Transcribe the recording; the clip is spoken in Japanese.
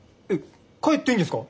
帰っていいんですか？